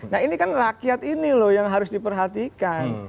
nah ini kan rakyat ini loh yang harus diperhatikan